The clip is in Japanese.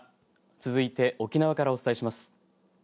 続いて沖縄からお伝えします。